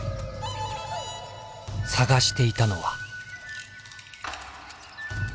探していたのは。